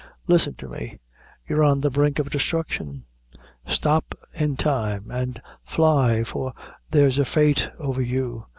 Listen to me you're on the brink o' destruction. Stop in time, an' fly, for there's a fate over you.